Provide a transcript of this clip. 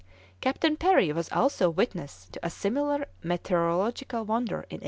Captain Parry was also witness to a similar meteorological wonder in 1821.